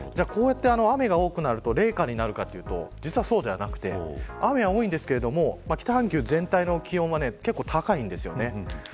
雨が多くなると冷夏になるかというと、実はそうではなくて雨は多いんですけど北半球全体の気温は結構高いんです。